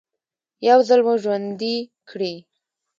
يو ځل مو ژوندي کړي.